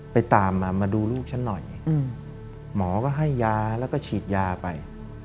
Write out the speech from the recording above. ไปตามมามาดูลูกฉันหน่อยหมอก็ให้ยาแล้วก็ฉีดยาไป